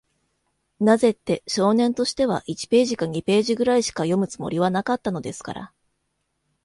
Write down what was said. なぜって、少年としては、一ページか二ページぐらいしか読むつもりはなかったのですから。